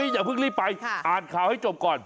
อย่าเพิ่งรีบไปอ่านข่าวให้จบก่อน